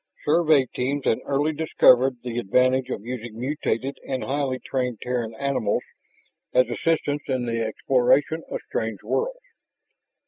Survey teams had early discovered the advantage of using mutated and highly trained Terran animals as assistants in the exploration of strange worlds.